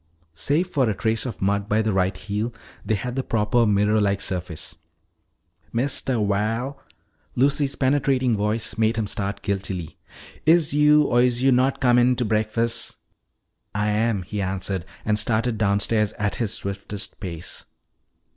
Save for a trace of mud by the right heel, they had the proper mirror like surface. "Mistuh Val," Lucy's penetrating voice made him start guiltily, "is yo' or is yo' not comin' to brekfas'?" "I am," he answered and started downstairs at his swiftest pace.